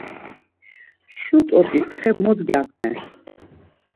Şu t̆ot̆is xe mot gyaǩner.